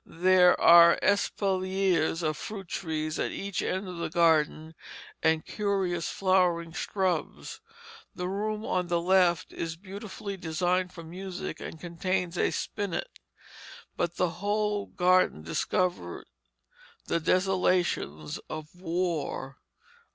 There are espaliers of fruit trees at each end of the garden and curious flowering shrubs. The room on the left is beautifully designed for music and contains a spinnet. But the whole garden discovered the desolations of war."